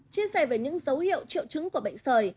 chia sẻ về những dấu hiệu triệu chứng của bệnh sởi